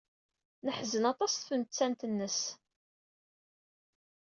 Neḥzen aṭas ɣef tmettant-nnes.